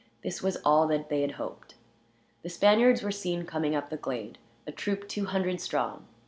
This was all that they had hoped. The Spaniards were seen coming up the glade, a troop two hundred strong.